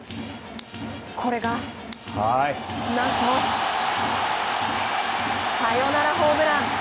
これが何とサヨナラホームラン。